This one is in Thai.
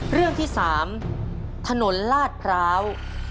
เรื่องที่๓ถนนลาดพร้าว